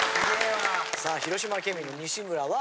さあ広島県民の西村は。